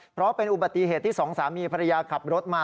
เพราะเป็นอุบัติเหตุที่สองสามีภรรยาขับรถมา